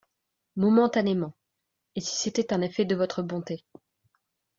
Momentanément ; et si c’était un effet de votre bonté…